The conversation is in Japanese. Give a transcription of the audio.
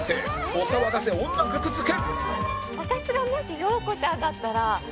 お騒がせ女格付け！